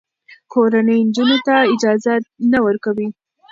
کورنۍ نجونو ته اجازه نه ورکوي.